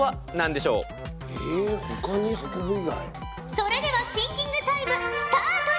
それではシンキングタイムスタートじゃ！